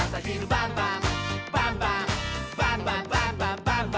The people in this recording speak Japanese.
「バンバンバンバンバンバン！」